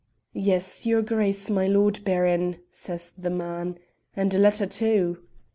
"Yes, your Grace, my Lord Baron," says the man, "and a letter too."